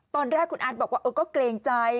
ตอนแรกคุณอาร์ตบอกว่าก็เกรงใจ